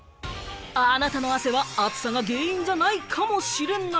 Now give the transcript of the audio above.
あなたの汗は暑さが原因じゃないかもしれない。